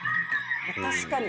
確かに。